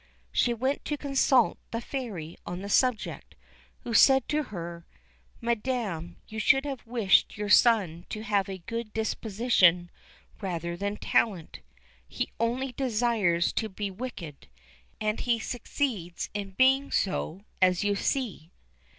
She went to consult the Fairy on the subject, who said to her, "Madam, you should have wished your son to have a good disposition rather than talent. He only desires to be wicked, and he succeeds in being so, as you see."